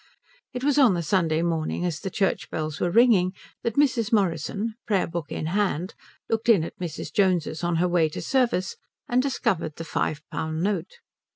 It was on the Sunday morning as the church bells were ringing, that Mrs. Morrison, prayer book in hand, looked in at Mrs. Jones's on her way to service and discovered the five pound note.